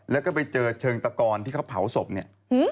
แล้วก็ไปเจอเชิงตะกอนที่เขาเผาศพเนี่ย